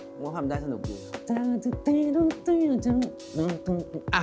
มึงว่าทำได้สนุกดีครับ